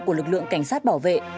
của lực lượng cảnh sát bảo vệ